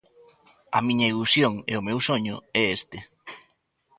A miña ilusión e o meu soño é este.